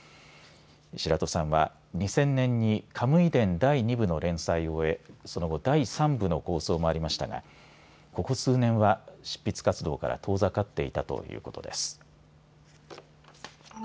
白土さんは２０００年にカムイ伝第二部の連載を終えその後、第三部の構想もありましたがここ数年は執筆活動から遠ざかっていたということです。